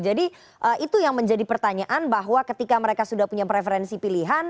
jadi itu yang menjadi pertanyaan bahwa ketika mereka sudah punya preferensi pilihan